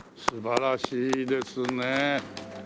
素晴らしいですね。